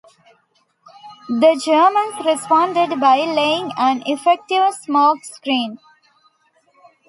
The Germans responded by laying an effective smoke screen.